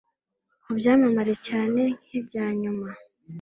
Kubyamamare cyane nkibyanyuma